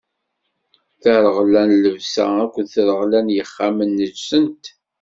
Tareɣla n llebsa akked treɣla n yexxamen neǧsent.